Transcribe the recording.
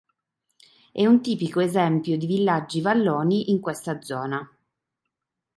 È un tipico esempio di villaggi valloni in questa zona.